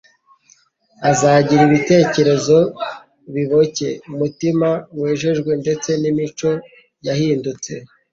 azagira ibitekerezo biboncye, umutima wejejwe ndetse n'imico yahindutse.